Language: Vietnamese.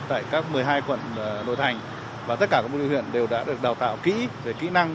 tại các một mươi hai quận nội thành và tất cả các môn huyện đều đã được đào tạo kỹ về kỹ năng